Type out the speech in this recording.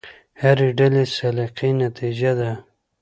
هرې ډلې سلیقې نتیجه ده.